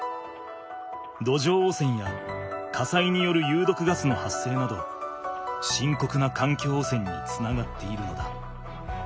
土壌汚染や火災によるゆうどくガスの発生などしんこくな環境汚染につながっているのだ。